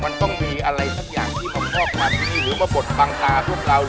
มันต้องมีอะไรสักอย่างที่มันพอขับมาที่ดีหรือมโมนบังคลาพวกเรา